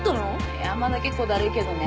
いやまだ結構だるいけどね。